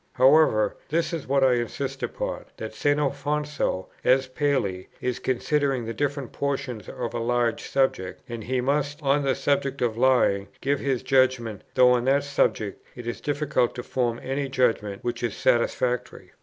However, this is what I insist upon; that St. Alfonso, as Paley, is considering the different portions of a large subject, and he must, on the subject of lying, give his judgment, though on that subject it is difficult to form any judgment which is satisfactory.